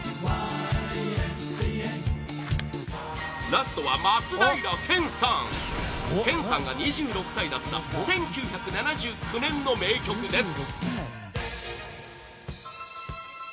ラストは松平健さん健さんが２６歳だった１９７９年の名曲です